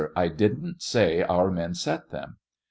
I didn't say our men set them.